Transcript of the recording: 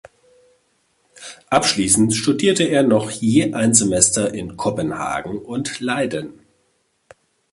Abschließend studierte er noch je ein Semester in Kopenhagen und Leiden.